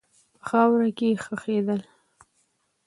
په خاوره کښې خښېدل